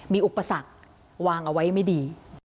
มีอุปสรรควางเอาไว้ไม่ดี